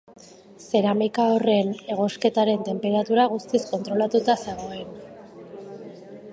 Zeramika horren egosketaren tenperatura guztiz kontrolatuta zegoen.